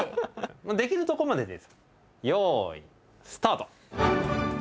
できるとこまででよいスタート！